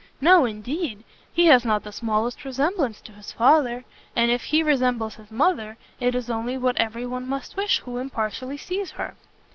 "No, indeed; he has not the smallest resemblance [to] his father, and if he resembles his mother, it is only what every one must wish who impartially sees her."